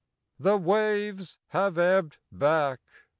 The waves have ebbed back